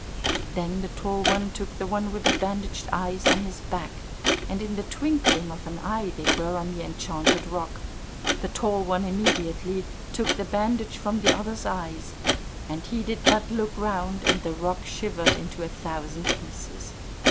Then the Tall One took the one with bandaged eyes on his back, and in the twinkling of an eye they were on the enchanted rock. The Tall One immediately took the bandage from the other's eyes, and he did but look round, and the rock shivered into a thousand pieces.